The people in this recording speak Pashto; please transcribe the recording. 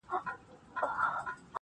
هلهیاره د سپوږمۍ پر لوري یون دی,